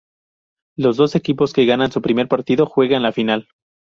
Los dos equipos que ganan su primer partido juegan la final.